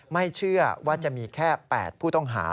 ไม่เชื่อว่าจะมีแค่๘ผู้ต้องหา